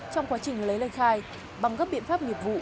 trong quá trình lấy lời khai bằng các biện pháp nghiệp vụ